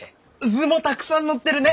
図もたくさん載ってるね！